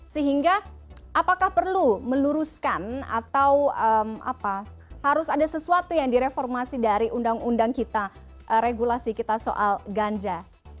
sehingga apakah perlu meluruskan atau harus ada sesuatu yang direformasi dari undang undang kita regulasi kita soal ganja